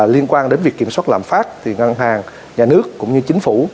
liên quan đến việc kiểm soát lạm phát thì ngân hàng nhà nước cũng như chính phủ